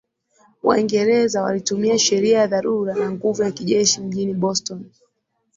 Waingereza walitumia sheria ya dharura na nguvu ya kijeshi mjini Boston